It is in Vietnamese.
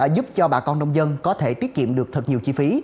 giúp cho bà con nông dân có thể tiết kiệm được thật nhiều chi phí